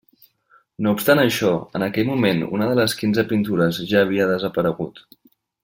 No obstant això, en aquell moment una de les quinze pintures ja havia desaparegut.